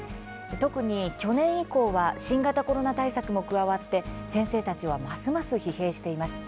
特に去年以降は新型コロナ対策も加わって先生たちはますます疲弊しています。